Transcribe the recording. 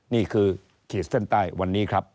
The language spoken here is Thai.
นี่คือขีดเส้นใต้วันนี้ครับ